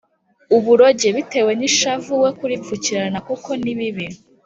uboroge bitewe n’ ishavu we kuripfukirana kuko ni bibi